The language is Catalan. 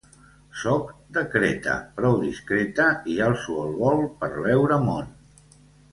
Sóc de Creta, prou discreta i alço el vol per veure món.